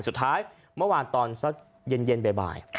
สุดท้ายเมื่อวานตอนสักเย็นบ่าย